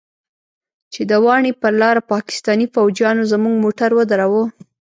چې د واڼې پر لاره پاکستاني فوجيانو زموږ موټر ودراوه.